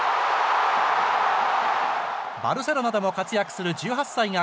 バルセロナでも活躍する１８歳が